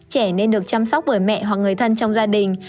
trẻ nên được chăm sóc bởi mẹ hoặc người thân trong gia đình